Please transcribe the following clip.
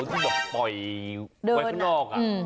ไว้ข้างนอกอ่ะ